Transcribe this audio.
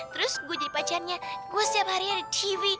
terus gue jadi pacarnya gue setiap harinya ada tv